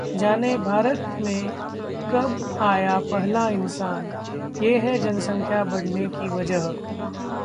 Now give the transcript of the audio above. जानें- भारत में कब आया पहला इंसान, ये है जनसंख्या बढ़ने की वजह!